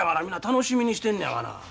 みんな楽しみにしてんのやがな。